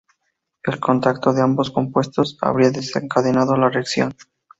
El contacto de ambos compuestos habría desencadenado la reacción.